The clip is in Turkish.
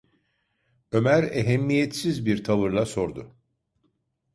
Ömer ehemmiyetsiz bir tavırla sordu: